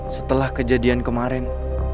setelah kejadian kemarin